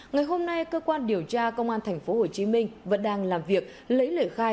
ngày hôm nay cơ quan điều tra công an tp hcm vẫn đang làm việc lấy lời khai